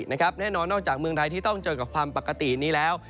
แน่นอนนอกจากเมืองไทยที่ต้องเจอกับความปกตินี้แล้ว